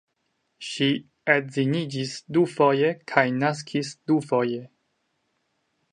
Ŝi edziniĝis dufoje kaj naskis dufoje.